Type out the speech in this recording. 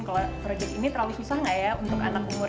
kalau proyek ini terlalu susah nggak ya untuk anak umur